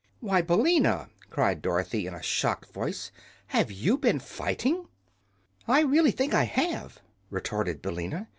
"Why, Billina!" cried Dorothy, in a shocked voice; "have you been fighting?" "I really think I have," retorted Billina.